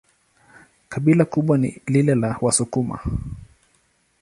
Kabila kubwa ni lile la Wasukuma.